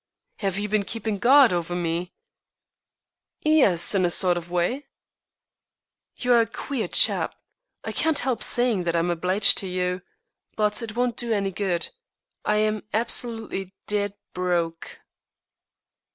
"Have you been keeping guard over me?" "Yes, in a sort of way." "You are a queer chap. I can't help saying that I am obliged to you. But it won't do any good. I am absolutely dead broke."